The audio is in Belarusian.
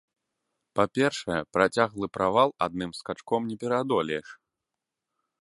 Па-першае, працяглы правал адным скачком не пераадолееш.